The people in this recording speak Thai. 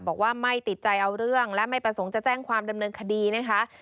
บอกว่าไม่ติดใจเอาเรื่องและไม่ประสงค์จะแจ้งความดำเนินคดีนะคะ